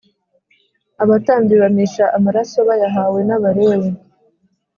abatambyi bamisha amaraso bayahawe n Abalewi